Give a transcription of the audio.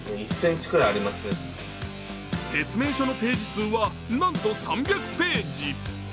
説明書のページ数はなんと３００ページ。